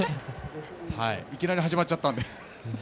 いきなり始まっちゃったので。